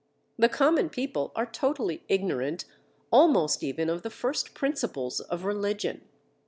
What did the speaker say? The common people are totally ignorant, almost even of the first principles of religion.